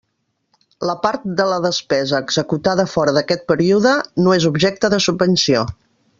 La part de la despesa executada fora d'aquest període no és objecte de subvenció.